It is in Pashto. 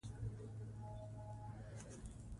ازادي راډیو د روغتیا په اړه د امنیتي اندېښنو یادونه کړې.